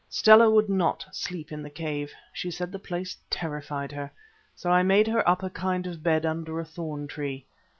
Stella would not sleep in the cave; she said the place terrified her, so I made her up a kind of bed under a thorn tree.